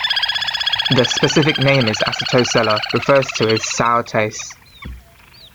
The specific name is acetosella, refers to its sour taste.